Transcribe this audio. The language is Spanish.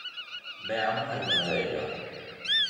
Veamos algunos de ellos.